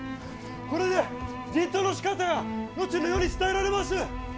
これで人痘のしかたは後の世に伝えられます！